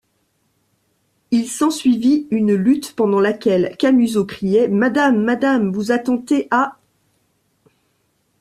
Il s’ensuivit une lutte pendant laquelle Camusot criait: — Madame! madame ! vous attentez à...